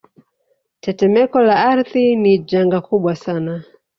Tetemeko la ardhi ni janga kubwa sana